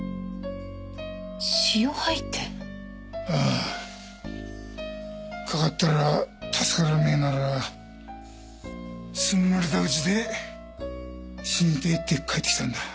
血を吐いてああかかったら助からねぇなら住み慣れたうちで死にてぇって帰ってきたんだ